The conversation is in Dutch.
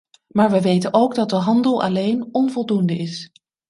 Maar we weten ook dat handel alleen onvoldoende is.